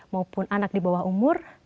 maupun anak di bawah umur